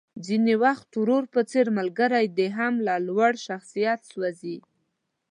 ځينې وخت ورور په څېر ملګری دې هم له لوړ شخصيت سوځېږي.